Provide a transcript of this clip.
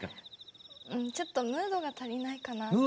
ちょっとムードが足りないかな。